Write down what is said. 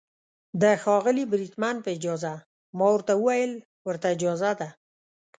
د ښاغلي بریدمن په اجازه، ما ورته وویل: ورته اجازه ده.